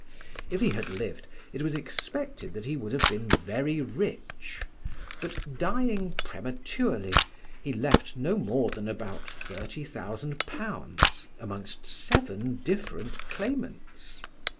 If he had lived it was expected that he would have been very rich; but dying prematurely, he left no more than about £30,000 amongst seven different claimants.